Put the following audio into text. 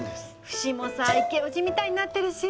フシもさイケオジみたいになってるし。